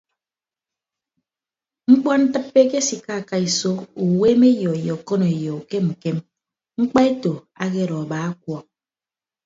Mkpọntịppe akesikaaka iso uweemeyo ye okoneyo ukem ukem mkpaeto akedo aba ọkuọọk.